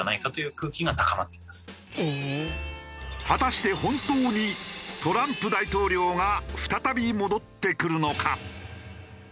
果たして本当にトランプ大統領が再び戻ってくるのか？